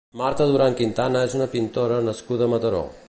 Marta Duran Quintana és una pintora nascuda a Mataró.